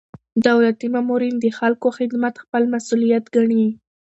دولتي مامورین د خلکو خدمت خپل مسؤلیت ګڼي.